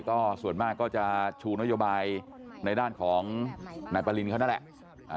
ก็ส่วนมากก็จะชูนโยบายในด้านของนายปรินเขานั่นแหละ